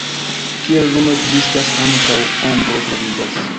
Kie lumo ekzistas, ankaŭ ombro troviĝas.